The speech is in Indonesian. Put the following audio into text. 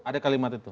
ada kalimat itu